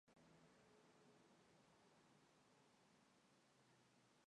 Así lo manifiesta en el monólogo que integra el primer acto.